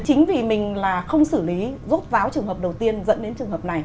chính vì mình là không xử lý rốt ráo trường hợp đầu tiên dẫn đến trường hợp này